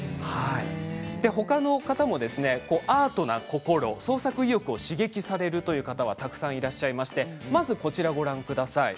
ほかの方もアートな心創作意欲を刺激されるという方がたくさんいらっしゃいましてまずはこちらをご覧ください。